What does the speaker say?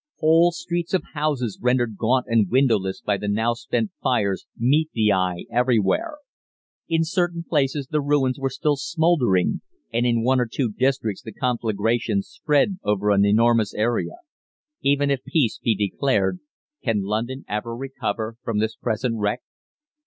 Whole streets of houses rendered gaunt and windowless by the now spent fires meet the eye everywhere. In certain places the ruins were still smouldering, and in one or two districts the conflagrations spread over an enormous area. Even if peace be declared, can London ever recover from this present wreck?